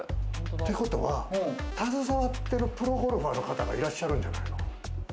ってことは、携わってるプロゴルファーの方がいらっしゃるんじゃないの？